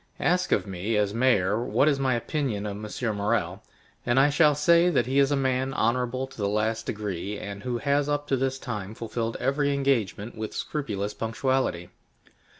Ask of me, as mayor, what is my opinion of M. Morrel, and I shall say that he is a man honorable to the last degree, and who has up to this time fulfilled every engagement with scrupulous punctuality.